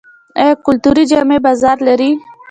آیا کلتوري جامې بازار لري؟